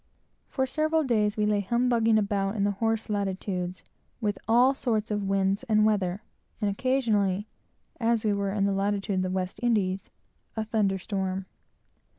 For several days we lay "humbugging about" in the Horse latitudes, with all sorts of winds and weather, and occasionally, as we were in the latitude of the West Indies a thunder storm.